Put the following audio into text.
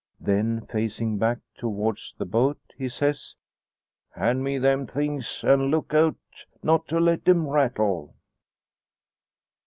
Then facing back towards the boat, he says: "Hand me them things; an' look out not to let 'em rattle!"